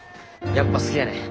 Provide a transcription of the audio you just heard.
やっぱ好きやねん。